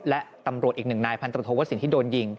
และตำรวจอีกหนึ่งนายพันธุวสินที่โดนยิง